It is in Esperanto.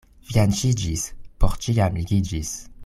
Fianĉiĝis — por ĉiam ligiĝis.